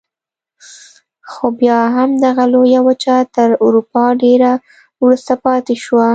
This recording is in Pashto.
خو بیا هم دغه لویه وچه تر اروپا ډېره وروسته پاتې شوه.